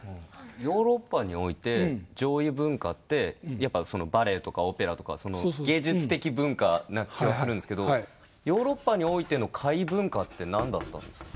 ヨーロッパにおいて上位文化ってバレエとかオペラとか芸術的文化な気はするんですけどヨーロッパにおいての下位文化って何だったんですか？